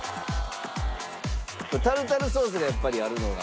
タルタルソースがやっぱりあるのが。